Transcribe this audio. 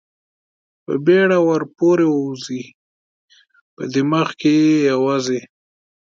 په بېړه ور پورې ووځي، په دماغ کې یې یوازې.